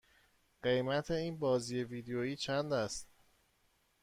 قیمت این بازی ویدیویی چند است؟